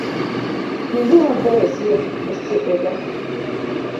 Ninduru maber osiepega